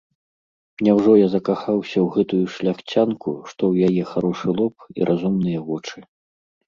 Няўжо я закахаўся ў гэтую шляхцянку, што ў яе харошы лоб і разумныя вочы.